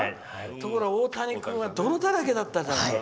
ところが大谷君は泥だらけだったじゃない。